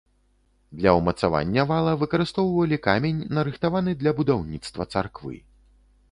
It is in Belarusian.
Для ўмацавання вала выкарыстоўвалі камень нарыхтаваны для будаўніцтва царквы.